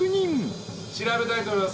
調べたいと思います